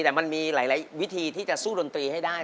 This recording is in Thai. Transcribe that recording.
แต่มันมีหลายวิธีที่จะสู้ดนตรีให้ได้